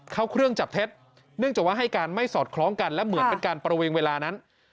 เข้าเครื่องจับเท็จเนื่องจากว่าให้การไม่สอดคล้องกันและเหมือนเป็นการประเวงเวลานั้น